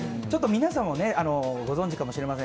皆さんもご存知かもしれません。